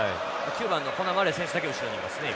９番のコナーマリー選手だけ後ろにいますね